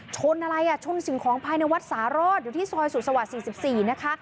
ชนอะไรอ่ะชนสิ่งของภายในวัดสารอดอยู่ที่ซอยสุขสวรรค์๔๔นะคะ